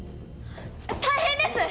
大変です！